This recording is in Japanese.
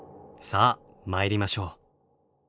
さあ参りましょう。